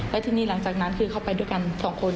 และทีนี้หลังจากนั้นคือเขาไปด้วยกันสองคน